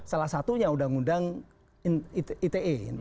salah satunya undang undang ite